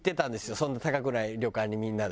そんな高くない旅館にみんなで。